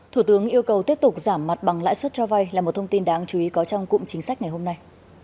thủ tướng yêu cầu tiếp tục giảm mặt bằng lãi suất cho vay là một thông tin đáng chú ý có trong cụm chính sách ngày hôm nay